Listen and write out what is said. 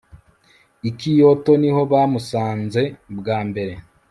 I Kyoto niho namusanze bwa mbere